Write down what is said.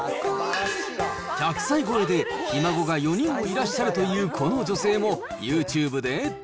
１００歳超えでひ孫が４人もいらっしゃるというこの女性も、ユーチューブで。